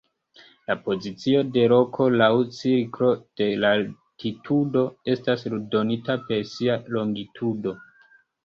La pozicio de loko laŭ cirklo de latitudo estas donita per sia longitudo.